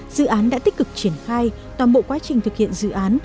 dự án đã tích cực triển khai toàn bộ quá trình thực hiện dự án